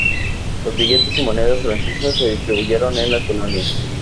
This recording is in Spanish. Los billetes y monedas francesas se distribuyeron en la colonia.